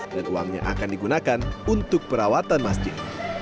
dan uangnya akan digunakan untuk perawatan masjid